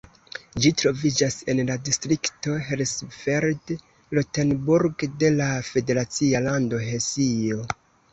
Ĝi troviĝas en la distrikto Hersfeld-Rotenburg de la federacia lando Hesio.